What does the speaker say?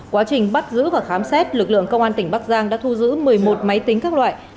quá trình bắt giữ và khám xét lực lượng công an tỉnh bắc giang đã thu giữ một mươi một máy tính các loại